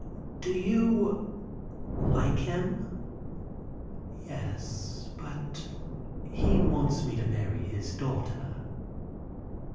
"Do you like him?" "Yes, but he wants me to marry his daughter."